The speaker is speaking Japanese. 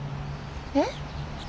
えっ？